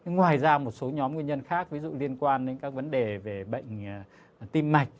ngoài ra một số nhóm nguyên nhân khác ví dụ liên quan đến các vấn đề về bệnh tim mạch